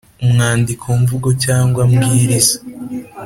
umwandiko mvugo cyangwa mbwiriza